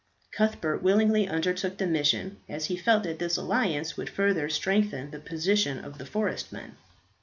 Cuthbert willingly undertook the mission, as he felt that this alliance would further strengthen the position of the forest men.